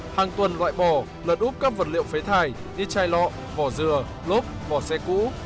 hàng tuần loại bỏ lật úp các vật liệu phế thải như chai lọ vỏ dừa lốp vỏ xe cũ